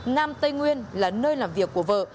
nam tây nguyên là nơi làm việc của vợ